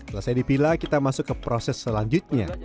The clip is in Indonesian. setelah dipila kita masuk ke proses selanjutnya